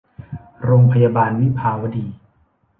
โรงพยาบาลวิภาวดี